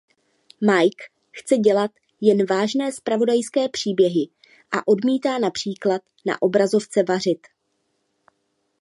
Mike chce dělat jen vážné zpravodajské příběhy a odmítá například na obrazovce vařit.